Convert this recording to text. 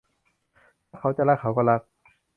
ถ้าเขาจะรัก เขาก็รัก